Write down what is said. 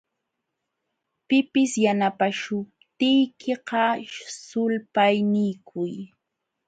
Pipis yanapaśhuptiykiqa, sulpaynikuy.